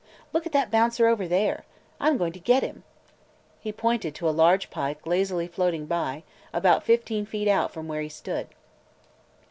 Look at that bouncer over there! I 'm going to get him!" He pointed to a large pike lazily floating by, about fifteen feet out from where he stood.